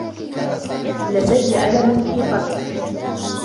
لدي ألم في قدمي.